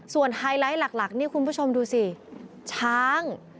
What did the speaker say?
ส่วนไฮไลท์หลักนี่คุณผู้ชมดูสิช้าง